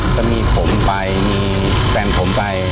ก็มีผมไปมีแฟนผมไป